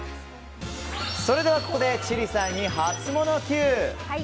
ここで千里さんにハツモノＱ！